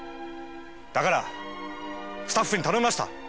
だからスタッフに頼みました。